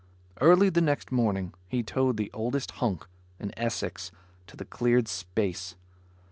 Early the next morning, he towed the oldest hulk, an Essex, to the cleared space.